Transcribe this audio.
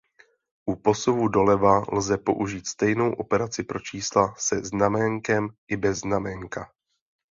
U posuvu doleva lze použít stejnou operaci pro čísla se znaménkem i bez znaménka.